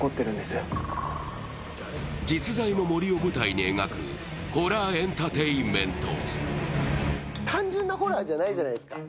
実在の森を舞台に描くホラーエンターテインメント。